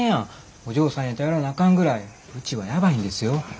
お嬢さんに頼らなあかんぐらいうちはやばいんですよ。